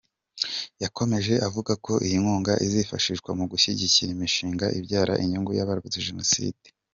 Yakomeje avuga ko iyi nkunga izifashishwa mu gushyigikira imishinga ibyara inyungu y’abarokotse Jenoside.